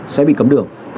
sẽ bị cấm đường